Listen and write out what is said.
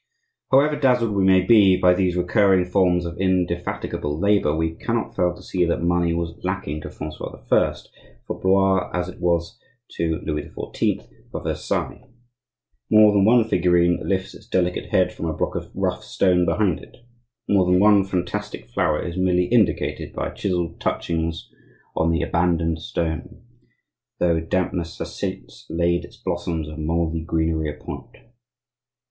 However dazzled we may be by these recurring forms of indefatigable labor, we cannot fail to see that money was lacking to Francois I. for Blois, as it was to Louis XIV. for Versailles. More than one figurine lifts its delicate head from a block of rough stone behind it; more than one fantastic flower is merely indicated by chiselled touches on the abandoned stone, though dampness has since laid its blossoms of mouldy greenery upon it.